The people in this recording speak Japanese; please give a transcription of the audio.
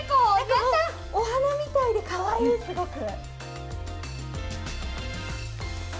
お花みたいでかわいい、すごく。